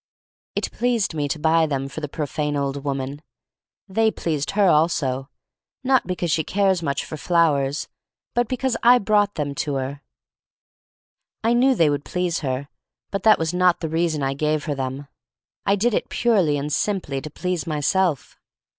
It pleased me to buy them for the profane old woman. They pleased her also — not because she cares much for flowers, but because I brought them to her. I knew they would please her, but that was not the reason I gave her them. THE STORY OF MARY MAC LANE 1 49 I did it purely and simply to please myself.